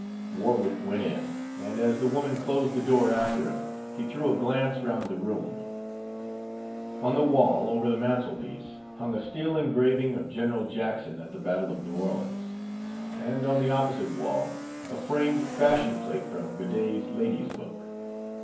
Warwick went in, and as the woman closed the door after him, he threw a glance round the room. On the wall, over the mantelpiece, hung a steel engraving of General Jackson at the battle of New Orleans, and, on the opposite wall, a framed fashion plate from "Godey's Lady's Book."